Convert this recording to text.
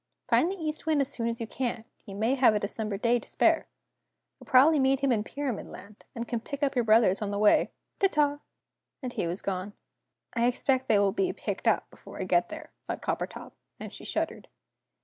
Find the East Wind as soon as you can. He may have a December day to spare. You'll probably meet him in Pyramid Land, and can pick up your brothers on the way. Ta ta!" And he was gone. "I expect they will be 'picked up' before I get there!" thought Coppertop, and she shuddered.